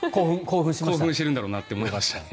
興奮しているんだろうなと思いました。